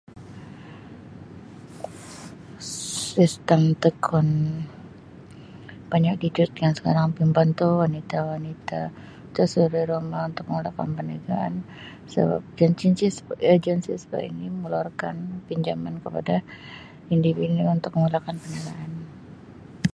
Sistem TEKUN [unintelligible] pembantu wanita-wanita [unintelligible] suri rumah untuk mulakan perniagaan sebab [unintelligible] agensi [unintelligible] mengeluarkan pinjaman kepada individu untuk memulakan perniagaan.